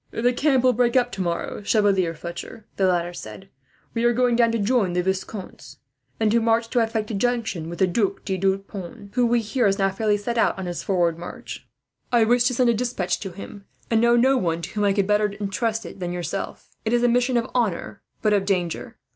"The camp will break up tomorrow, Chevalier Fletcher," the latter said. "We are going down to join the Viscounts, and then march to effect a junction with the Duc de Deux Ponts, who we hear has now fairly set out on his forward march. I wish to send a despatch to him, and I know no one to whom I could better intrust it than yourself. It is a mission of honour, but of danger.